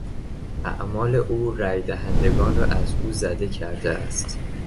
اعمال او رایدهندگان را از او زده کرده است.